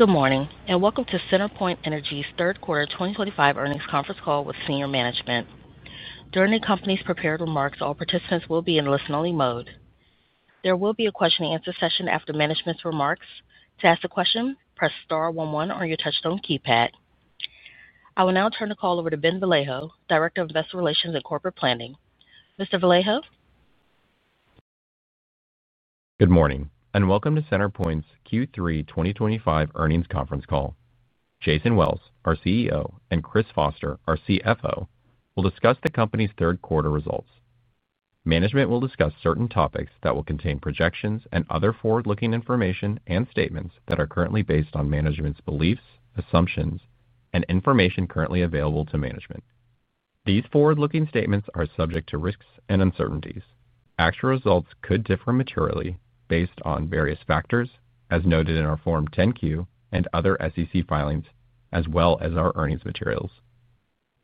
Good morning and welcome to CenterPoint Energy's third quarter 2025 earnings conference call with Senior Management. During the company's prepared remarks, all participants will be in listen-only mode. There will be a question-and-answer session after management's remarks. To ask a question, press star one-one on your touch-tone keypad. I will now turn the call over to Ben Vallejo, Director of Investor Relations and Corporate Planning. Mr. Vallejo? Good morning and welcome to CenterPoint Energy's Q3 2025 earnings conference call. Jason Wells, our CEO, and Chris Foster, our CFO, will discuss the company's third quarter results. Management will discuss certain topics that will contain projections and other forward-looking information and statements that are currently based on management's beliefs, assumptions, and information currently available to management. These forward-looking statements are subject to risks and uncertainties. Actual results could differ materially based on various factors, as noted in our Form 10-Q and other SEC filings, as well as our earnings materials.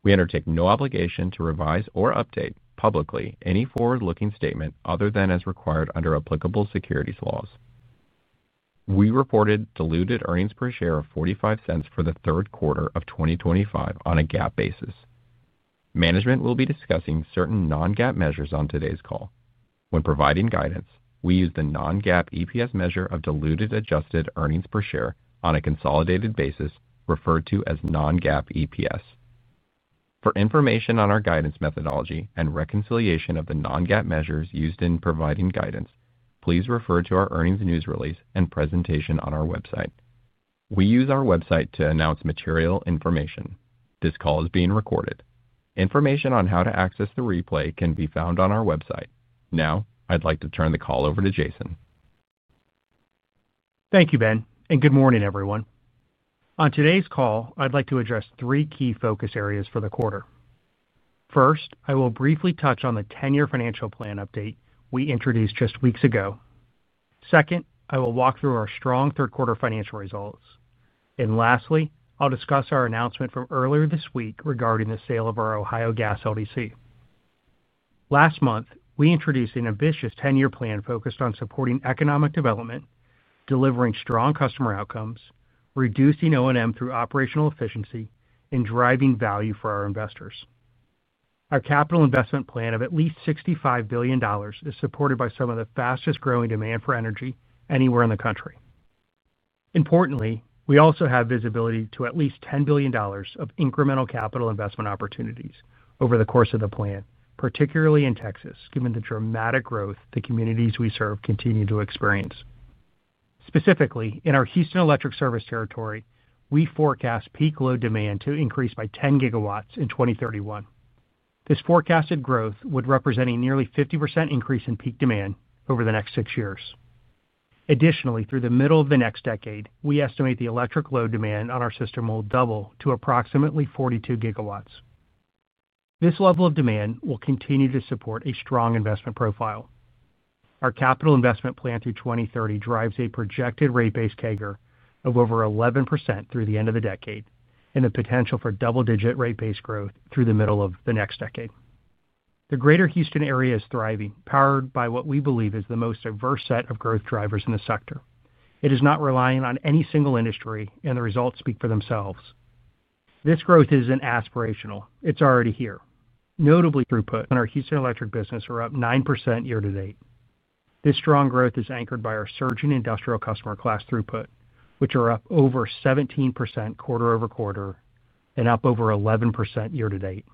We undertake no obligation to revise or update publicly any forward-looking statement other than as required under applicable securities laws. We reported diluted earnings per share of $0.45 for the third quarter of 2025 on a GAAP basis. Management will be discussing certain non-GAAP measures on today's call. When providing guidance, we use the non-GAAP EPS measure of diluted adjusted earnings per share on a consolidated basis, referred to as non-GAAP EPS. For information on our guidance methodology and reconciliation of the non-GAAP measures used in providing guidance, please refer to our earnings news release and presentation on our website. We use our website to announce material information. This call is being recorded. Information on how to access the replay can be found on our website. Now, I'd like to turn the call over to Jason. Thank you, Ben, and good morning, everyone. On today's call, I'd like to address three key focus areas for the quarter. First, I will briefly touch on the 10-year financial plan update we introduced just weeks ago. Second, I will walk through our strong third-quarter financial results. Lastly, I'll discuss our announcement from earlier this week regarding the sale of our Ohio Gas LDC. Last month, we introduced an ambitious 10-year plan focused on supporting economic development, delivering strong customer outcomes, reducing O&M through operational efficiency, and driving value for our investors. Our capital investment plan of at least $65 billion is supported by some of the fastest growing demand for energy anywhere in the country. Importantly, we also have visibility to at least $10 billion of incremental capital investment opportunities over the course of the plan, particularly in Texas, given the dramatic growth the communities we serve continue to experience. Specifically, in our Houston Electric Service Territory, we forecast peak load demand to increase by 10 GW in 2031. This forecasted growth would represent a nearly 50% increase in peak demand over the next six years. Additionally, through the middle of the next decade, we estimate the electric load demand on our system will double to approximately 42 GW. This level of demand will continue to support a strong investment profile. Our capital investment plan through 2030 drives a projected rate base CAGR of over 11% through the end of the decade, and the potential for double-digit rate base growth through the middle of the next decade. The greater Houston area is thriving, powered by what we believe is the most diverse set of growth drivers in the sector. It is not relying on any single industry, and the results speak for themselves. This growth isn't aspirational; it's already here. Notably, throughput in our Houston Electric business is up 9% year to date. This strong growth is anchored by our surging industrial customer class throughput, which are up over 17% quarter over quarter and up over 11% year to date.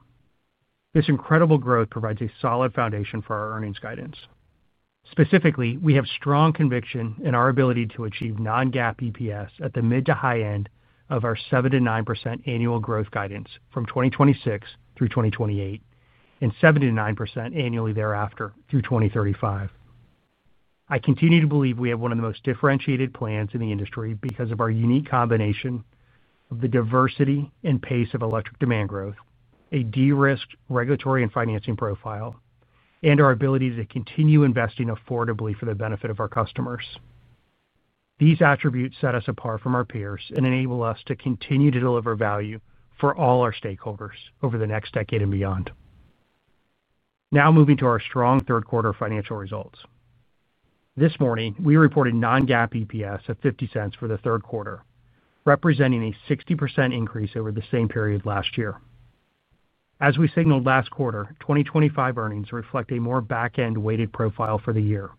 This incredible growth provides a solid foundation for our earnings guidance. Specifically, we have strong conviction in our ability to achieve non-GAAP EPS at the mid to high end of our 7%-9% annual growth guidance from 2026 through 2028, and 7%-9% annually thereafter through 2035. I continue to believe we have one of the most differentiated plans in the industry because of our unique combination of the diversity and pace of electric demand growth, a derisked regulatory and financing profile, and our ability to continue investing affordably for the benefit of our customers. These attributes set us apart from our peers and enable us to continue to deliver value for all our stakeholders over the next decade and beyond. Now moving to our strong third-quarter financial results. This morning, we reported non-GAAP EPS of $0.50 for the third quarter, representing a 60% increase over the same period last year. As we signaled last quarter, 2025 earnings reflect a more back-end weighted profile for the year,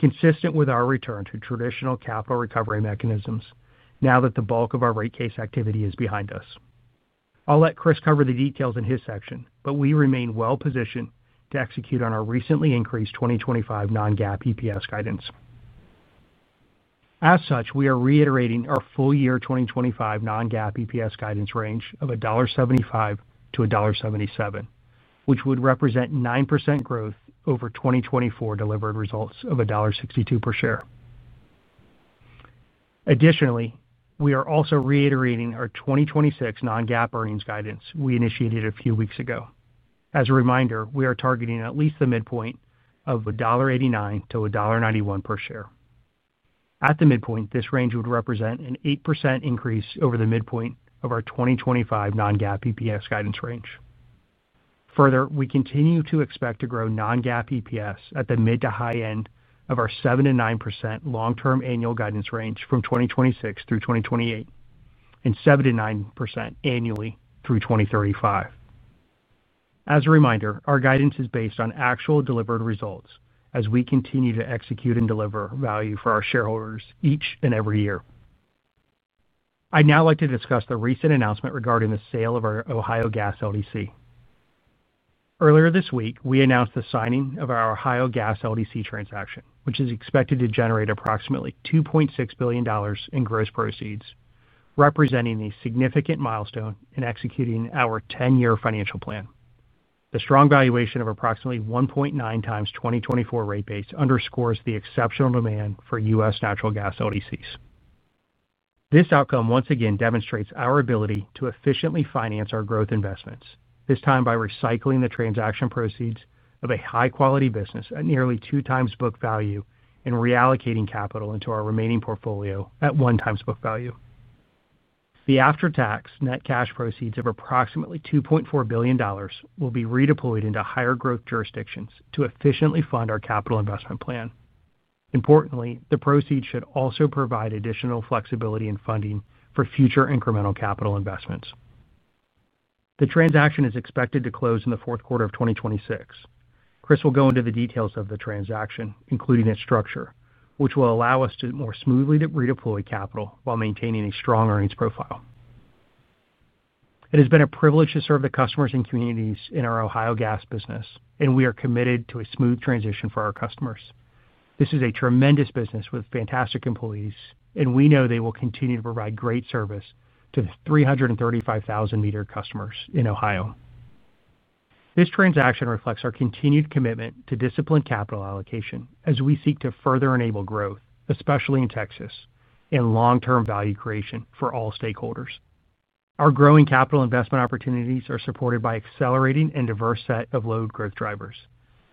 consistent with our return to traditional capital recovery mechanisms now that the bulk of our rate case activity is behind us. I'll let Chris cover the details in his section, but we remain well positioned to execute on our recently increased 2025 non-GAAP EPS guidance. As such, we are reiterating our full-year 2025 non-GAAP EPS guidance range of $1.75-$1.77, which would represent 9% growth over 2024 delivered results of $1.62 per share. Additionally, we are also reiterating our 2026 non-GAAP earnings guidance we initiated a few weeks ago. As a reminder, we are targeting at least the midpoint of $1.89-$1.91 per share. At the midpoint, this range would represent an 8% increase over the midpoint of our 2025 non-GAAP EPS guidance range. Further, we continue to expect to grow non-GAAP EPS at the mid to high end of our 7%-9% long-term annual guidance range from 2026 through 2028, and 7%-9% annually through 2035. As a reminder, our guidance is based on actual delivered results as we continue to execute and deliver value for our shareholders each and every year. I'd now like to discuss the recent announcement regarding the sale of our Ohio Gas LDC. Earlier this week, we announced the signing of our Ohio Gas LDC transaction, which is expected to generate approximately $2.6 billion in gross proceeds, representing a significant milestone in executing our 10-year financial plan. The strong valuation of approximately 1.9x 2024 rate base underscores the exceptional demand for U.S. natural gas LDCs. This outcome once again demonstrates our ability to efficiently finance our growth investments, this time by recycling the transaction proceeds of a high-quality business at nearly two times book value and reallocating capital into our remaining portfolio at one times book value. The after-tax net cash proceeds of approximately $2.4 billion will be redeployed into higher growth jurisdictions to efficiently fund our capital investment plan. Importantly, the proceeds should also provide additional flexibility in funding for future incremental capital investments. The transaction is expected to close in the fourth quarter of 2026. Chris will go into the details of the transaction, including its structure, which will allow us to more smoothly redeploy capital while maintaining a strong earnings profile. It has been a privilege to serve the customers and communities in our Ohio Gas business, and we are committed to a smooth transition for our customers. This is a tremendous business with fantastic employees, and we know they will continue to provide great service to the 335,000 m customers in Ohio. This transaction reflects our continued commitment to disciplined capital allocation as we seek to further enable growth, especially in Texas, and long-term value creation for all stakeholders. Our growing capital investment opportunities are supported by an accelerating and diverse set of load growth drivers.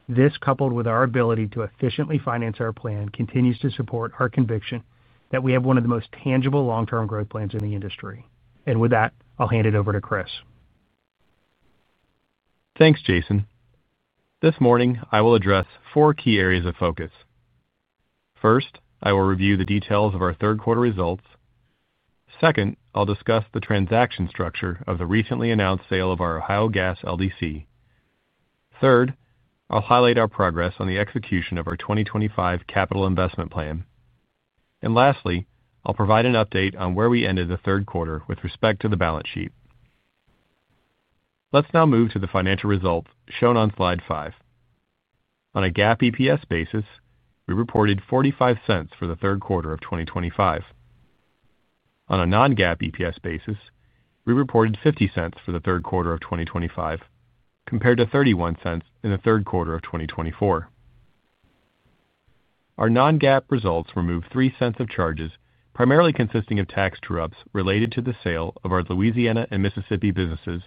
This, coupled with our ability to efficiently finance our plan, continues to support our conviction that we have one of the most tangible long-term growth plans in the industry. With that, I'll hand it over to Chris. Thanks, Jason. This morning, I will address four key areas of focus. First, I will review the details of our third-quarter results. Second, I'll discuss the transaction structure of the recently announced sale of our Ohio Gas LDC. Third, I'll highlight our progress on the execution of our 2025 capital investment plan. Lastly, I'll provide an update on where we ended the third quarter with respect to the balance sheet. Let's now move to the financial results shown on slide five. On a GAAP EPS basis, we reported $0.45 for the third quarter of 2025. On a non-GAAP EPS basis, we reported $0.50 for the third quarter of 2025, compared to $0.31 in the third quarter of 2024. Our non-GAAP results remove $0.03 of charges, primarily consisting of tax trusts related to the sale of our Louisiana and Mississippi businesses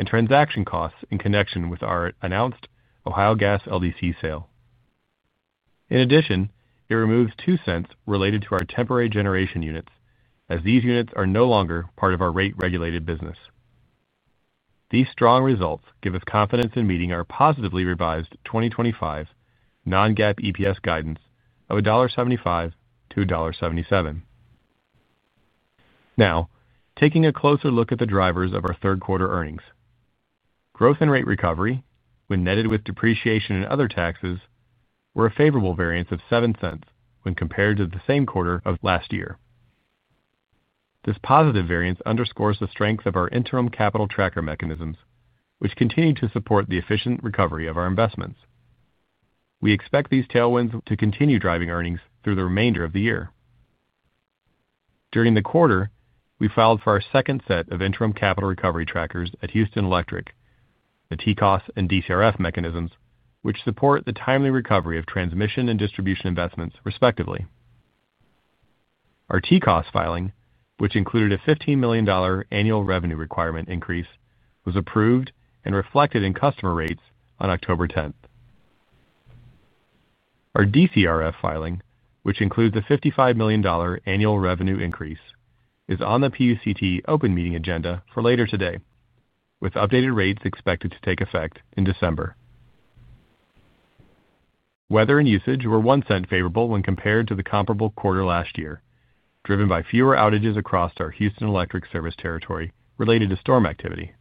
and transaction costs in connection with our announced Ohio Gas LDC sale. In addition, it removes $0.02 related to our temporary generation units, as these units are no longer part of our rate-regulated business. These strong results give us confidence in meeting our positively revised 2025 non-GAAP EPS guidance of $1.75-$1.77. Now, taking a closer look at the drivers of our third-quarter earnings, growth and rate recovery, when netted with depreciation and other taxes, were a favorable variance of $0.07 when compared to the same quarter of last year. This positive variance underscores the strength of our interim capital tracker mechanisms, which continue to support the efficient recovery of our investments. We expect these tailwinds to continue driving earnings through the remainder of the year. During the quarter, we filed for our second set of interim capital recovery trackers at Houston Electric, the TCOS and DCRF mechanisms, which support the timely recovery of transmission and distribution investments, respectively. Our TCOS filing, which included a $15 million annual revenue requirement increase, was approved and reflected in customer rates on October 10. Our DCRF filing, which includes a $55 million annual revenue increase, is on the PUCT open meeting agenda for later today, with updated rates expected to take effect in December. Weather and usage were $0.01 favorable when compared to the comparable quarter last year, driven by fewer outages across our Houston Electric Service Territory related to storm activity.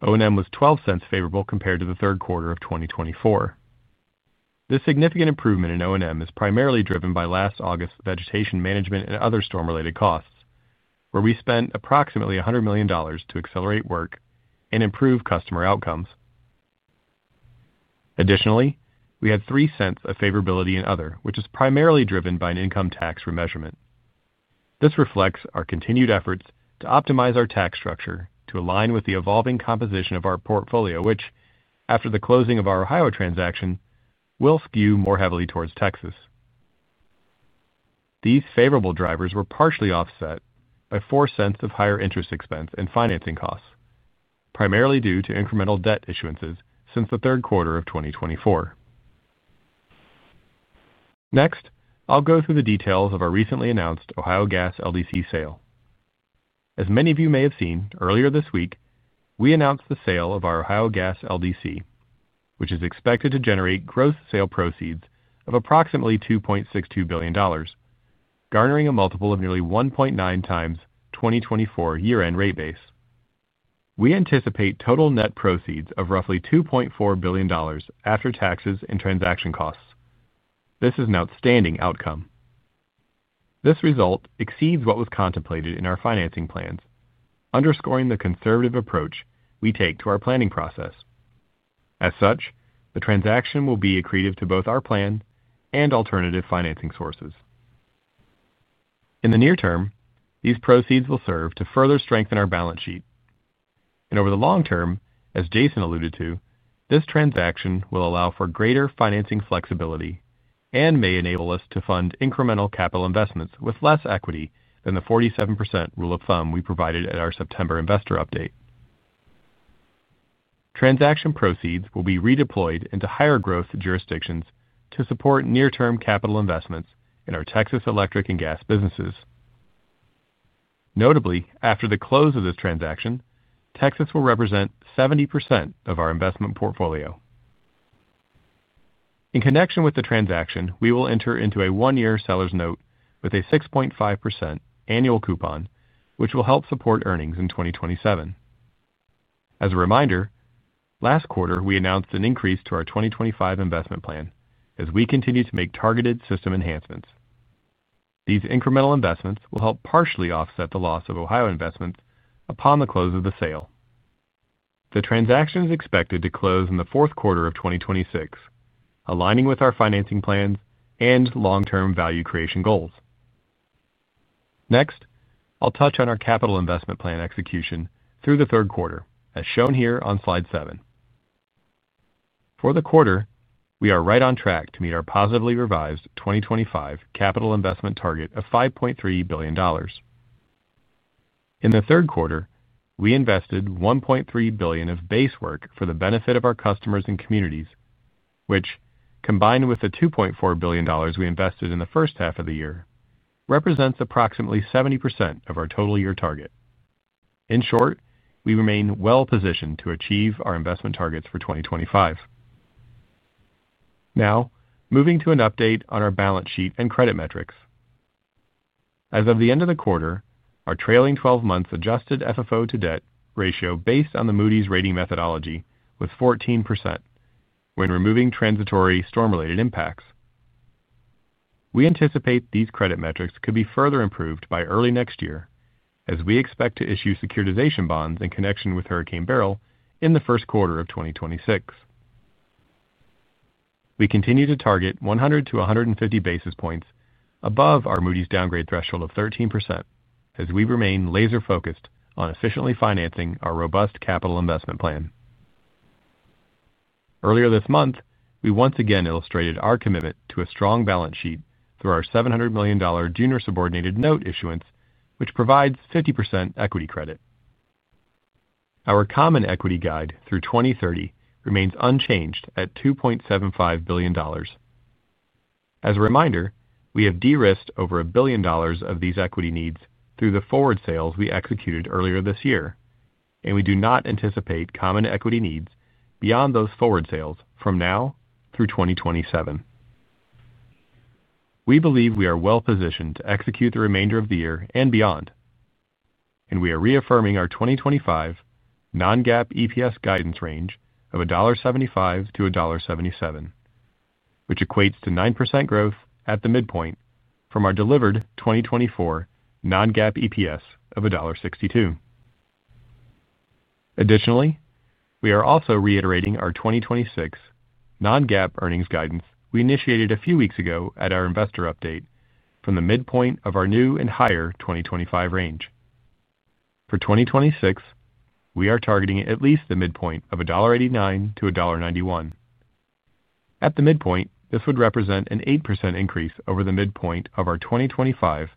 O&M was $0.12 favorable compared to the third quarter of 2024. This significant improvement in O&M is primarily driven by last August's vegetation management and other storm-related costs, where we spent approximately $100 million to accelerate work and improve customer outcomes. Additionally, we had $0.03 of favorability in other, which is primarily driven by an income tax remeasurement. This reflects our continued efforts to optimize our tax structure to align with the evolving composition of our portfolio, which, after the closing of our Ohio transaction, will skew more heavily towards Texas. These favorable drivers were partially offset by $0.04 of higher interest expense and financing costs, primarily due to incremental debt issuances since the third quarter of 2024. Next, I'll go through the details of our recently announced Ohio Gas LDC sale. As many of you may have seen, earlier this week, we announced the sale of our Ohio Gas LDC, which is expected to generate gross sale proceeds of approximately $2.62 billion, garnering a multiple of nearly 1.9 tx 2024 year-end rate base. We anticipate total net proceeds of roughly $2.4 billion after taxes and transaction costs. This is an outstanding outcome. This result exceeds what was contemplated in our financing plans, underscoring the conservative approach we take to our planning process. As such, the transaction will be accretive to both our plan and alternative financing sources. In the near term, these proceeds will serve to further strengthen our balance sheet. Over the long term, as Jason alluded to, this transaction will allow for greater financing flexibility and may enable us to fund incremental capital investments with less equity than the 47% rule of thumb we provided at our September investor update. Transaction proceeds will be redeployed into higher growth jurisdictions to support near-term capital investments in our Texas electric and gas businesses. Notably, after the close of this transaction, Texas will represent 70% of our investment portfolio. In connection with the transaction, we will enter into a one-year seller's note with a 6.5% annual coupon, which will help support earnings in 2027. As a reminder, last quarter we announced an increase to our 2025 investment plan as we continue to make targeted system enhancements. These incremental investments will help partially offset the loss of Ohio investments upon the close of the sale. The transaction is expected to close in the fourth quarter of 2026, aligning with our financing plans and long-term value creation goals. Next, I'll touch on our capital investment plan execution through the third quarter, as shown here on slide seven. For the quarter, we are right on track to meet our positively revised 2025 capital investment target of $5.3 billion. In the third quarter, we invested $1.3 billion of base work for the benefit of our customers and communities, which, combined with the $2.4 billion we invested in the first half of the year, represents approximately 70% of our total year target. In short, we remain well positioned to achieve our investment targets for 2025. Now, moving to an update on our balance sheet and credit metrics. As of the end of the quarter, our trailing 12 months adjusted FFO-to-debt ratio based on the Moody's rating methodology was 14% when removing transitory storm-related impacts. We anticipate these credit metrics could be further improved by early next year, as we expect to issue securitization bonds in connection with Hurricane Beryl in the first quarter of 2026. We continue to target 100-150 basis points above our Moody's downgrade threshold of 13%, as we remain laser-focused on efficiently financing our robust capital investment plan. Earlier this month, we once again illustrated our commitment to a strong balance sheet through our $700 million junior subordinated note issuance, which provides 50% equity credit. Our common equity guide through 2030 remains unchanged at $2.75 billion. As a reminder, we have derisked over a billion dollars of these equity needs through the forward sales we executed earlier this year, and we do not anticipate common equity needs beyond those forward sales from now through 2027. We believe we are well positioned to execute the remainder of the year and beyond, and we are reaffirming our 2025 non-GAAP EPS guidance range of $1.75-$1.77, which equates to 9% growth at the midpoint from our delivered 2024 non-GAAP EPS of $1.62. Additionally, we are also reiterating our 2026 non-GAAP earnings guidance we initiated a few weeks ago at our investor update from the midpoint of our new and higher 2025 range. For 2026, we are targeting at least the midpoint of $1.89-$1.91. At the midpoint, this would represent an 8% increase over the midpoint of our 2025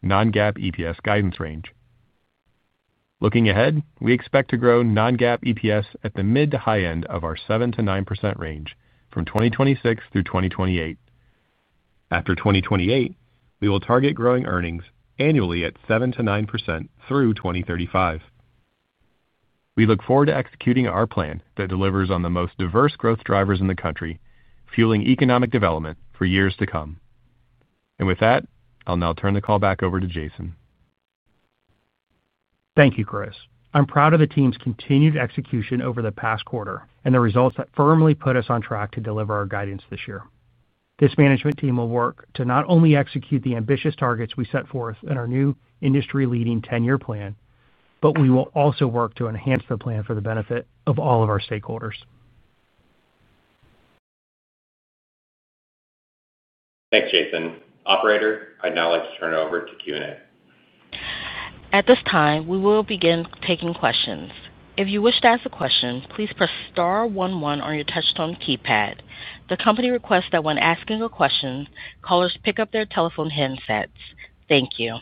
non-GAAP EPS guidance range. Looking ahead, we expect to grow non-GAAP EPS at the mid to high end of our 7%-9% range from 2026 through 2028. After 2028, we will target growing earnings annually at 7%-9% through 2035. We look forward to executing our plan that delivers on the most diverse growth drivers in the country, fueling economic development for years to come. With that, I'll now turn the call back over to Jason. Thank you, Chris. I'm proud of the team's continued execution over the past quarter and the results that firmly put us on track to deliver our guidance this year. This management team will work to not only execute the ambitious targets we set forth in our new industry-leading 10-year plan, but we will also work to enhance the plan for the benefit of all of our stakeholders. Thanks, Jason. Operator, I'd now like to turn it over to Q&A. At this time, we will begin taking questions. If you wish to ask a question, please press star one-one on your touch-tone keypad. The company requests that when asking a question, callers pick up their telephone headsets. Thank you.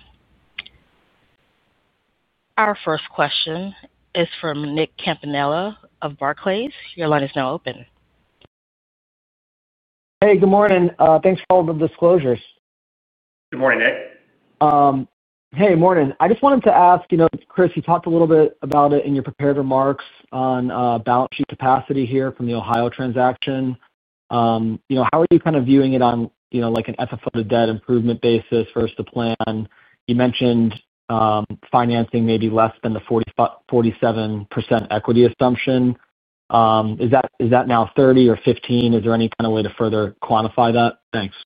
Our first question is from Nick Campanella of Barclays. Your line is now open. Hey, good morning. Thanks for all the disclosures. Good morning, Nick. Hey, good morning. I just wanted to ask, you know, Chris, you talked a little bit about it in your prepared remarks on balance sheet capacity here from the Ohio transaction. How are you kind of viewing it on, you know, like an FFO-to-debt improvement basis versus the plan? You mentioned financing maybe less than the 47% equity assumption. Is that now 30% or 15%? Is there any kind of way to further quantify that? Thanks.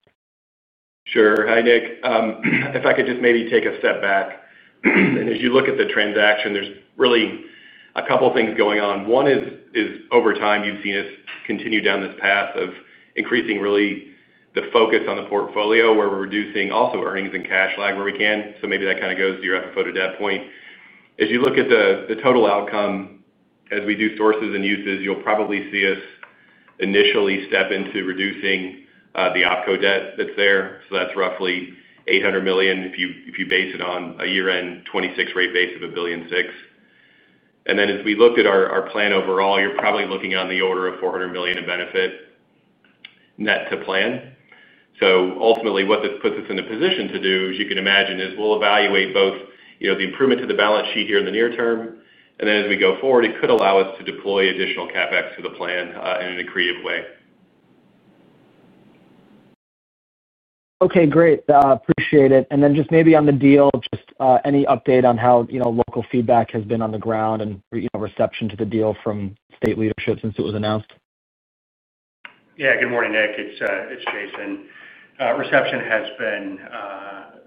Sure. Hi, Nick. If I could just maybe take a step back. As you look at the transaction, there's really a couple of things going on. One is, over time, you've seen us continue down this path of increasing really the focus on the portfolio where we're reducing also earnings and cash lag where we can. That kind of goes to your FFO-to-debt point. As you look at the total outcome, as we do sources and uses, you'll probably see us initially step into reducing the opco debt that's there. That's roughly $800 million if you base it on a year-end 2026 rate base of $1.6 billion. As we look at our plan overall, you're probably looking on the order of $400 million in benefit net to plan. Ultimately, what this puts us in a position to do, as you can imagine, is we'll evaluate both the improvement to the balance sheet here in the near term, and as we go forward, it could allow us to deploy additional CapEx to the plan in an accretive way. Okay, great. Appreciate it. Just maybe on the deal, any update on how local feedback has been on the ground and reception to the deal from state leadership since it was announced? Yeah, good morning, Nick. It's Jason. Reception has been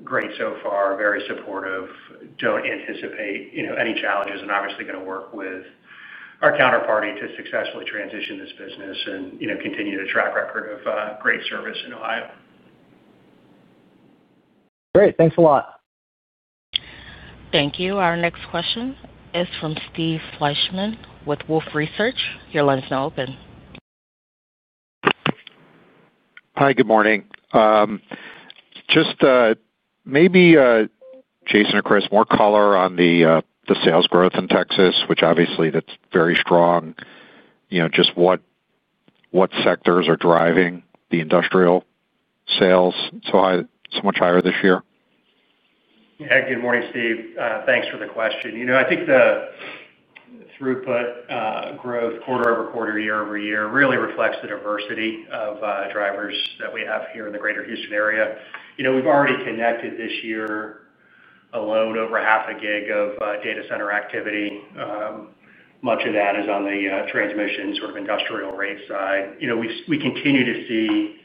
great so far, very supportive. I don't anticipate any challenges and obviously going to work with our counterparty to successfully transition this business and continue the track record of great service in Ohio. Great, thanks a lot. Thank you. Our next question is from Steve Fleishman with Wolfe Research. Your line is now open. Hi, good morning. Just maybe Jason or Chris, more color on the sales growth in Texas, which obviously that's very strong. You know, just what sectors are driving the industrial sales so much higher this year? Yeah, good morning, Steve. Thanks for the question. I think the throughput growth quarter over quarter, year over year really reflects the diversity of drivers that we have here in the greater Houston area. We've already connected this year alone over half a gig of data center activity. Much of that is on the transmission sort of industrial rate side. We continue to see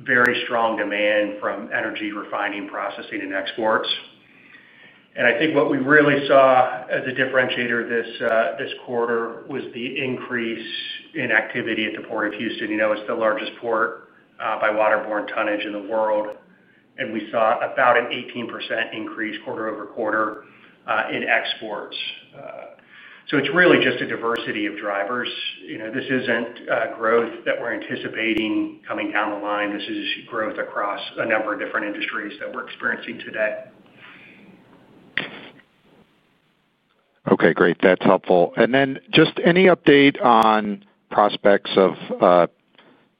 very strong demand from energy refining, processing, and exports. I think what we really saw as a differentiator this quarter was the increase in activity at the Port of Houston. It's the largest port by waterborne tonnage in the world, and we saw about an 18% increase quarter over quarter in exports. It's really just a diversity of drivers. This isn't growth that we're anticipating coming down the line. This is growth across a number of different industries that we're experiencing today. Okay, great. That's helpful. Any update on prospects of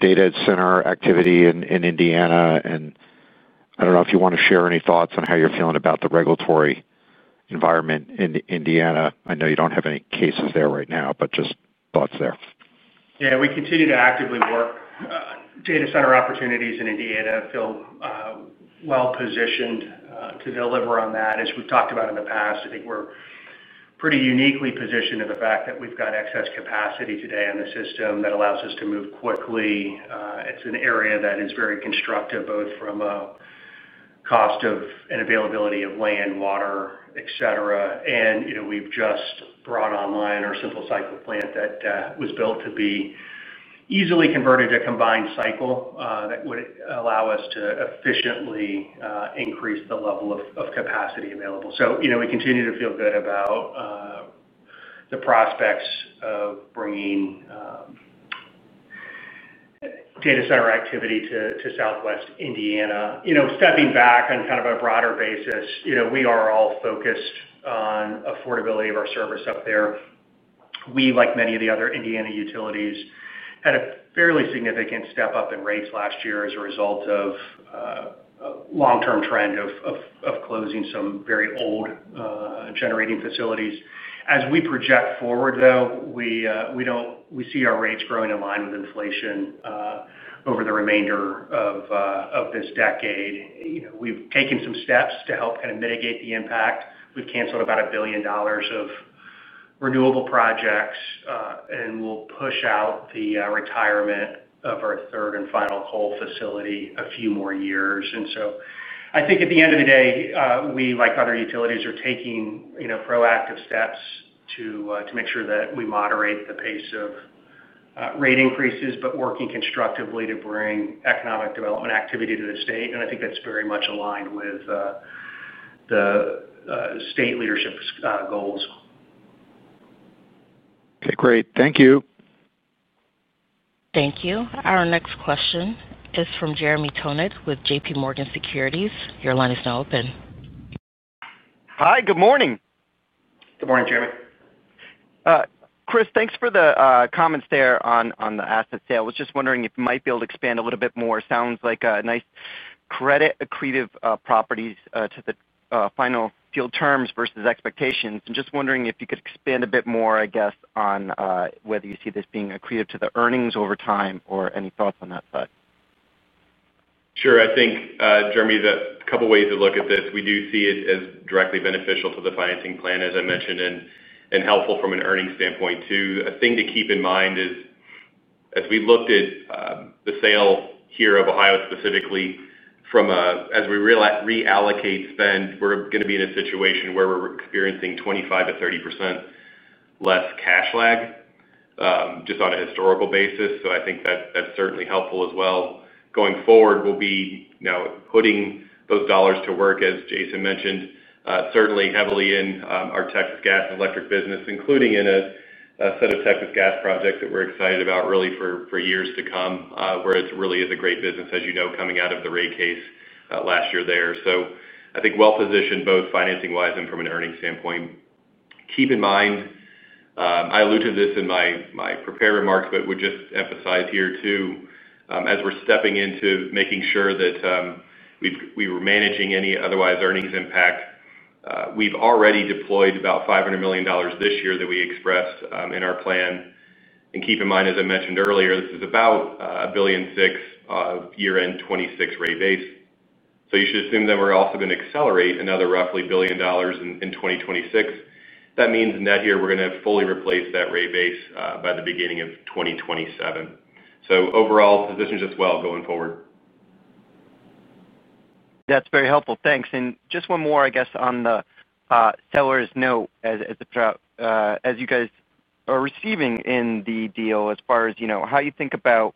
data center activity in Indiana? I don't know if you want to share any thoughts on how you're feeling about the regulatory environment in Indiana. I know you don't have any cases there right now, just thoughts there. Yeah, we continue to actively work. Data center opportunities in Indiana feel well positioned to deliver on that. As we've talked about in the past, I think we're pretty uniquely positioned in the fact that we've got excess capacity today in the system that allows us to move quickly. It's an area that is very constructive both from a cost of and availability of land, water, etc. You know, we've just brought online our simple cycle plant that was built to be easily converted to a combined cycle that would allow us to efficiently increase the level of capacity available. We continue to feel good about the prospects of bringing data center activity to Southwest Indiana. Stepping back on kind of a broader basis, we are all focused on affordability of our service up there. We, like many of the other Indiana utilities, had a fairly significant step up in rates last year as a result of a long-term trend of closing some very old generating facilities. As we project forward, though, we don't see our rates growing in line with inflation over the remainder of this decade. We've taken some steps to help kind of mitigate the impact. We've canceled about $1 billion of renewable projects, and we'll push out the retirement of our third and final coal facility a few more years. I think at the end of the day, we, like other utilities, are taking proactive steps to make sure that we moderate the pace of rate increases, but working constructively to bring economic development activity to the state. I think that's very much aligned with the state leadership's goals. Okay, great. Thank you. Thank you. Our next question is from Jeremy Tonet with JPMorgan Securities. Your line is now open. Hi, good morning. Good morning, Jeremy. Chris, thanks for the comments there on the asset sale. I was just wondering if you might be able to expand a little bit more. It sounds like a nice credit accretive property to the final field terms versus expectations. I'm just wondering if you could expand a bit more on whether you see this being accretive to the earnings over time or any thoughts on that side. Sure. I think, Jeremy, a couple of ways to look at this. We do see it as directly beneficial to the financing plan, as I mentioned, and helpful from an earnings standpoint too. A thing to keep in mind is, as we looked at the sale here of Ohio specifically, as we reallocate spend, we're going to be in a situation where we're experiencing 25%-30% less cash lag just on a historical basis. I think that's certainly helpful as well. Going forward, we'll be putting those dollars to work, as Jason mentioned, certainly heavily in our Texas gas and electric business, including in a set of Texas gas projects that we're excited about really for years to come, where it really is a great business, as you know, coming out of the rate case last year there. I think well positioned both financing-wise and from an earnings standpoint. Keep in mind, I alluded to this in my prepared remarks, but would just emphasize here too, as we're stepping into making sure that we were managing any otherwise earnings impact, we've already deployed about $500 million this year that we expressed in our plan. Keep in mind, as I mentioned earlier, this is about $1.6 billion of year-end 2026 rate base. You should assume that we're also going to accelerate another roughly $1 billion in 2026. That means in that year, we're going to fully replace that rate base by the beginning of 2027. Overall, position is just well going forward. That's very helpful. Thanks. Just one more on the seller’s note as you guys are receiving in the deal as far as how you think about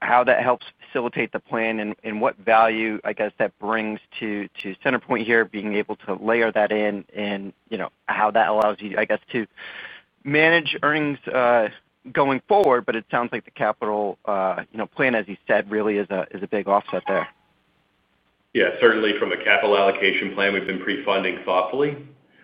how that helps facilitate the plan and what value that brings to CenterPoint here, being able to layer that in and how that allows you to manage earnings going forward. It sounds like the capital plan, as you said, really is a big offset there. Certainly from a capital allocation plan, we've been pre-funding thoughtfully.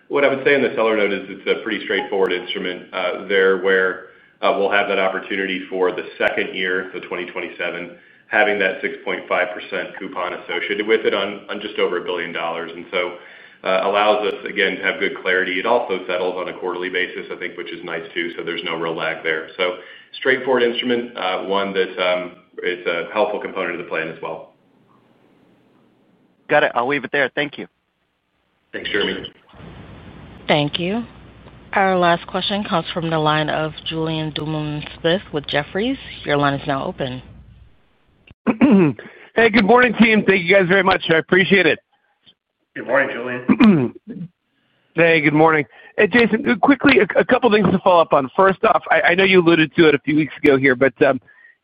What I would say on the seller’s note is it's a pretty straightforward instrument where we'll have that opportunity for the second year, so 2027, having that 6.5% coupon associated with it on just over $1 billion. It allows us, again, to have good clarity. It also settles on a quarterly basis, which is nice too. There's no real lag there. Straightforward instrument, one that is a helpful component of the plan as well. Got it. I'll leave it there. Thank you. Thanks, Jeremy. Thank you. Our last question comes from the line of Julien Dumoulin-Smith with Jefferies. Your line is now open. Hey, good morning, team. Thank you guys very much. I appreciate it. Good morning, Julien. Hey, good morning. Hey, Jason, quickly, a couple of things to follow up on. First off, I know you alluded to it a few weeks ago here, but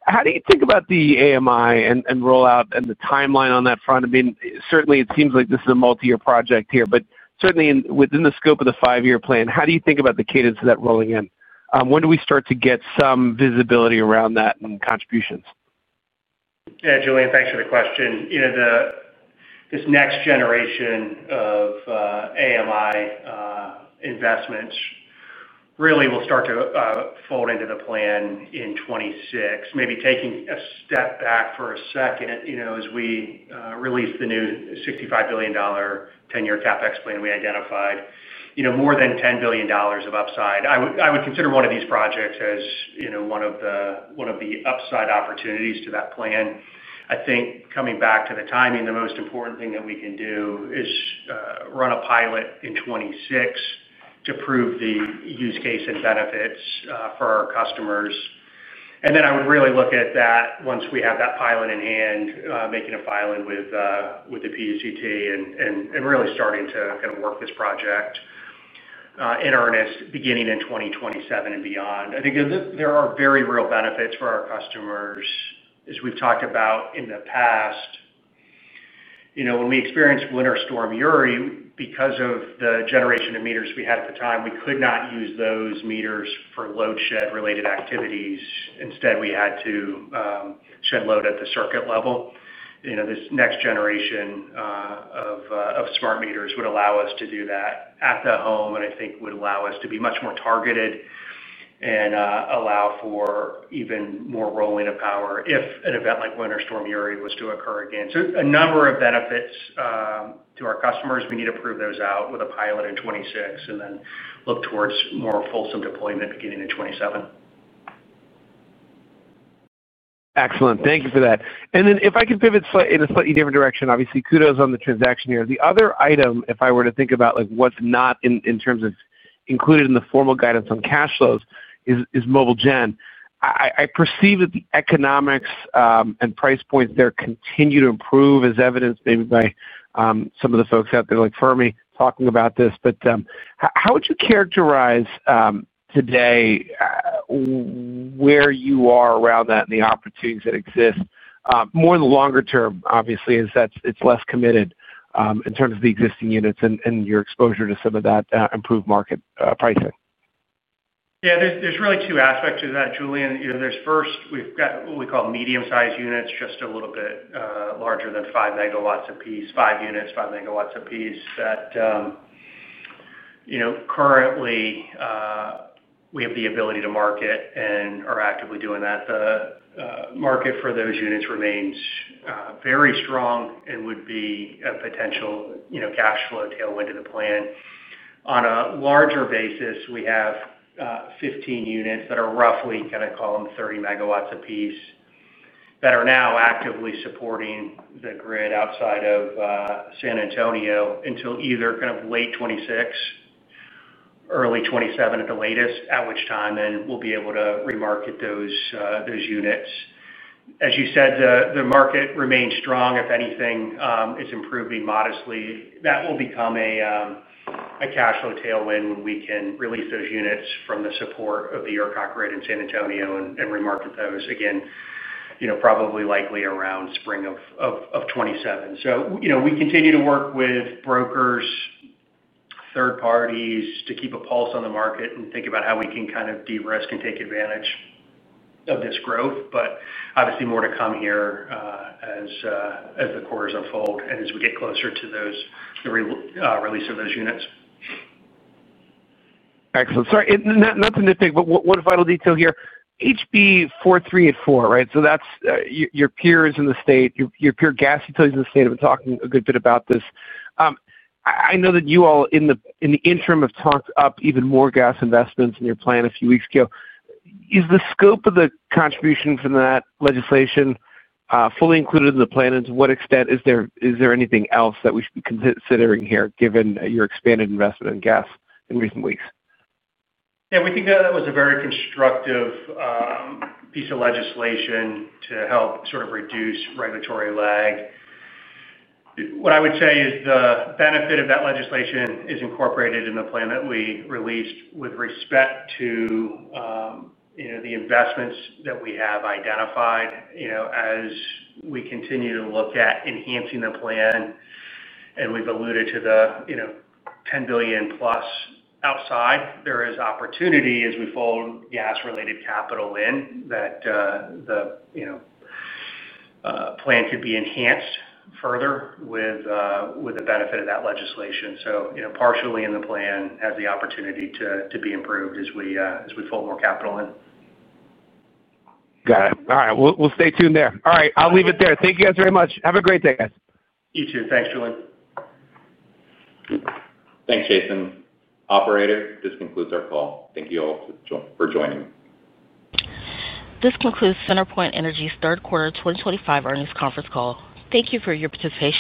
how do you think about the AMI and rollout and the timeline on that front? I mean, certainly, it seems like this is a multi-year project here, but certainly within the scope of the five-year plan, how do you think about the cadence of that rolling in? When do we start to get some visibility around that and contributions? Yeah, Julien, thanks for the question. This next generation of AMI investments really will start to fold into the plan in 2026. Maybe taking a step back for a second, as we release the new $65 billion 10-year CapEx plan we identified more than $10 billion of upside. I would consider one of these projects as one of the upside opportunities to that plan. I think coming back to the timing, the most important thing that we can do is run a pilot in 2026 to prove the use case and benefits for our customers. I would really look at that once we have that pilot in hand, making a filing with the PUCT and really starting to work this project in earnest beginning in 2027 and beyond. I think there are very real benefits for our customers. As we've talked about in the past, when we experienced winter storm Uri, because of the generation of meters we had at the time, we could not use those meters for load shed-related activities. Instead, we had to shed load at the circuit level. This next generation of smart meters would allow us to do that at the home, and I think would allow us to be much more targeted and allow for even more rolling of power if an event like winter storm Uri was to occur again. A number of benefits to our customers. We need to prove those out with a pilot in 2026 and then look towards more fulsome deployment beginning in 2027. Excellent. Thank you for that. If I could pivot in a slightly different direction, obviously, kudos on the transaction here. The other item, if I were to think about what's not in terms of included in the formal guidance on cash flows, is mobile generation asset. I perceive that the economics and price points there continue to improve, as evidenced maybe by some of the folks out there like Fermi talking about this. How would you characterize today where you are around that and the opportunities that exist more in the longer term, obviously, as it's less committed in terms of the existing units and your exposure to some of that improved market pricing? Yeah, there's really two aspects to that, Julian. You know, first, we've got what we call medium-sized units, just a little bit larger than five megawatts apiece, five units, five megawatts apiece that currently we have the ability to market and are actively doing that. The market for those units remains very strong and would be a potential cash flow tailwind to the plan. On a larger basis, we have 15 units that are roughly, kind of call them 30 MW apiece that are now actively supporting the grid outside of San Antonio until either kind of late 2026, early 2027 at the latest, at which time then we'll be able to remarket those units. As you said, the market remains strong. If anything, it's improving modestly. That will become a cash flow tailwind when we can release those units from the support of the grid in San Antonio and remarket those again, probably likely around spring of 2027. You know, we continue to work with brokers, third parties to keep a pulse on the market and think about how we can kind of de-risk and take advantage of this growth. Obviously, more to come here as the quarters unfold and as we get closer to the release of those units. Excellent. Sorry, not to nitpick, but one final detail here. HB 4384, right? That's your peers in the state, your peer gas utilities in the state. I've been talking a good bit about this. I know that you all in the interim have talked up even more gas investments in your plan a few weeks ago. Is the scope of the contribution from that legislation fully included in the plan? To what extent is there anything else that we should be considering here, given your expanded investment in gas in recent weeks? Yeah, we think that that was a very constructive piece of legislation to help sort of reduce regulatory lag. What I would say is the benefit of that legislation is incorporated in the plan that we released with respect to the investments that we have identified. As we continue to look at enhancing the plan, and we've alluded to the $10+ billion outside, there is opportunity as we fold gas-related capital in that the plan could be enhanced further with the benefit of that legislation. Partially in the plan has the opportunity to be improved as we fold more capital in. Got it. All right. We'll stay tuned there. All right. I'll leave it there. Thank you guys very much. Have a great day, guys. You too. Thanks, Julien. Thanks, Jason. Operator, this concludes our call. Thank you all for joining. This concludes CenterPoint Energy's third quarter 2025 earnings conference call. Thank you for your participation.